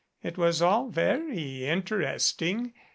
It was all very interesting.